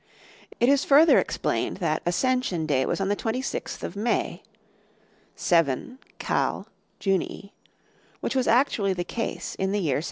It is further explained that Ascension Day was on the 26th of May ("VII Kal. Junii"),(1) which was actually the case in the year 735.